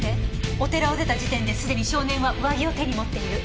お寺を出た時点ですでに少年は上着を手に持っている。